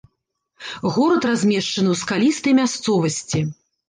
Горад размешчаны ў скалістай мясцовасці.